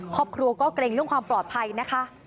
ครอบครัวก็เกรงเรื่องความปลอดภัยนะคะ